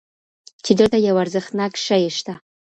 چې دلته یو ارزښتناک شی شته.